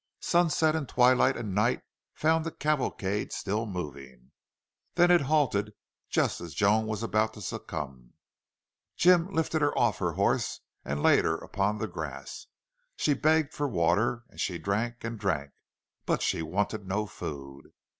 Sunset and twilight and night found the cavalcade still moving. Then it halted just as Joan was about to succumb. Jim lifted her off her horse and laid her upon the grass. She begged for water, and she drank and drank. But she wanted no food.